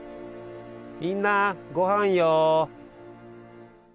みんなごはんよ。